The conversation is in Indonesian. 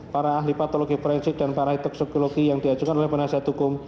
para ahli patologi forensik dan para ahli toksikologi yang diajukan oleh penasih tukum